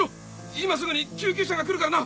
今すぐに救急車が来るからな！